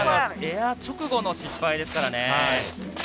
エア直後の失敗ですからね。